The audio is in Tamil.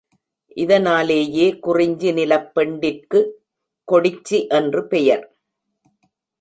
இதனாலேயே, குறிஞ்சி நிலப் பெண்டிற்குக் கொடிச்சி என்று பெயர்.